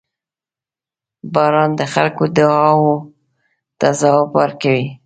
• باران د خلکو دعاوو ته ځواب ورکوي.